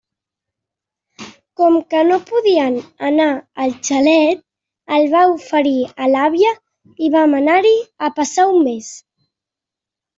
Com que no podien anar al xalet, el va oferir a l'àvia, i vam anar-hi a passar un mes.